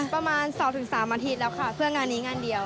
ประมาณ๒๓อาทิตย์แล้วค่ะเพื่องานนี้งานเดียว